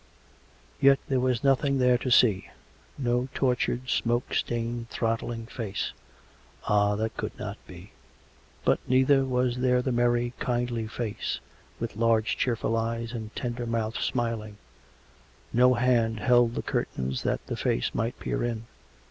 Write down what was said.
Yet there was nothing there to see — no tortured, smoke stained, throttling face — ah! that could not be — but neither was there the merry, kindly face, with large cheerful eyes and tender mouth smiling; no hand held the curtains that the face might peer in.